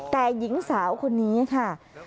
แต่หญิงสาวคนนี้ค่ะ